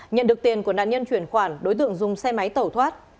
nhận được tiền của nạn nhân chuyển khoản đối tượng dùng xe máy tẩu thoát